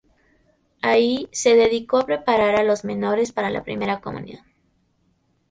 Ahí, se dedicó a preparar a los menores para la Primera Comunión.